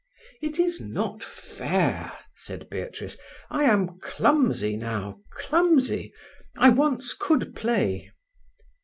"It is not fair," said Beatrice. "I am clumsy now—clumsy. I once could play."